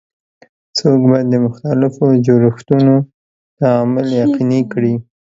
څوک به د مختلفو جوړښتونو تعامل یقیني کړي؟